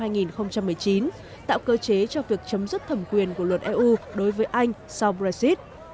năm hai nghìn một mươi chín tạo cơ chế cho việc chấm dứt thẩm quyền của luật eu đối với anh sau brexit